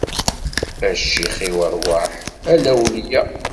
A ccix-iw rwaḥ, a lawleyya...